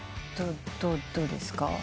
どうですか？